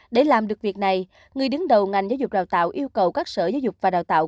để làm được việc này người đứng đầu ngành giáo dục đào tạo yêu cầu các sở giáo dục và đào tạo